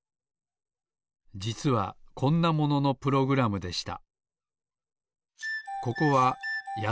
じつはこんなもののプログラムでした。